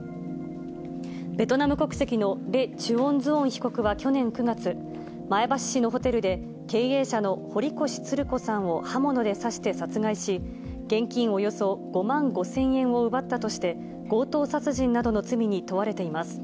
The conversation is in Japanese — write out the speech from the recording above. ベトナム国籍のレ・チュオン・ズオン被告は去年９月、前橋市のホテルで、経営者の堀越つる子さんを刃物で刺して殺害し、現金およそ５万５０００円を奪ったとして、強盗殺人などの罪に問われています。